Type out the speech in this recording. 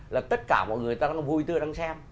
là tất cả mọi người ta vui tươi đang xem